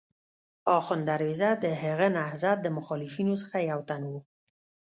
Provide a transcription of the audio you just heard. اخوند درویزه د هغه نهضت د مخالفینو څخه یو تن و.